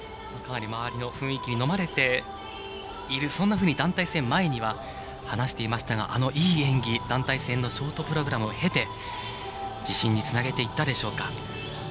かなり周りの雰囲気にのまれている、そんなふうに団体戦前には話していましたがいい演技、団体戦のショートプログラムを経て自信につなげていったでしょうか。